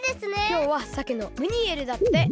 きょうはさけのムニエルだって！